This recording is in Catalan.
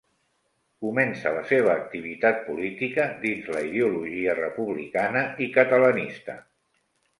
Comença la seva activitat política dins la ideologia republicana i catalanista.